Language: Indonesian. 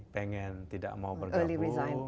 pengen tidak mau bergabung